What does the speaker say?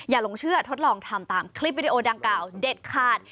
ลงเชื่อทดลองทำตามคลิปวิดีโอดังกล่าวเด็ดขาด